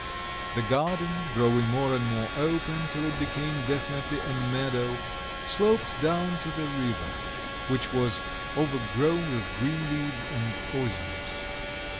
The garden, growing more and more open, till it became definitely a meadow, sloped down to the river, which was overgrown with green weeds and osiers.